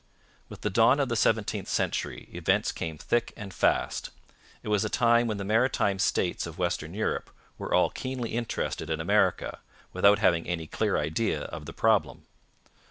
With the dawn of the seventeenth century events came thick and fast. It was a time when the maritime states of Western Europe were all keenly interested in America, without having any clear idea of the problem.